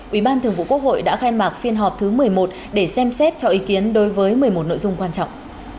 ủy ban thường vụ quốc hội đã khai mạc phiên họp thứ một mươi một để xem xét cho ý kiến đối với một mươi một nội dung quan trọng